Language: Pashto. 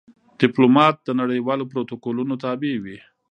ډيپلومات د نړېوالو پروتوکولونو تابع وي.